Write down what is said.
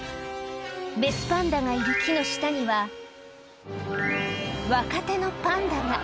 雌パンダがいる木の下には、若手のパンダが。